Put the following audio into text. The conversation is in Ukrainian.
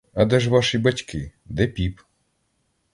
А де ж ваші батьки, де піп?